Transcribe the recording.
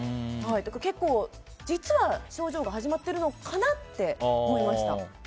結構、実は、症状が始まってるのかなって思いました。